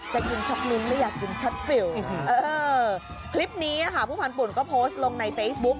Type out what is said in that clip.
จะกินช็อกลิ้นไม่อยากกินช็อตฟิลคลิปนี้ค่ะผู้พันธุ่นก็โพสต์ลงในเฟซบุ๊ก